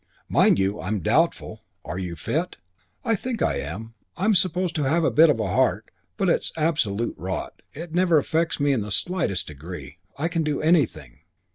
Mind you, I'm doubtful. Are you fit?" "I think I am. I'm supposed to have a bit of a heart. But it's absolute rot. It never affects me in the slightest degree. I can do anything."